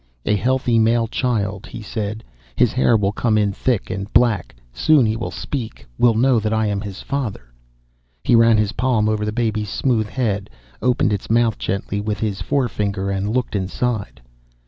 "A healthy male child," he said. "His hair will come in thick and black. Soon he will speak, will know that I am his father." He ran his palm over the baby's smooth head, opened its mouth gently with his forefinger and looked inside.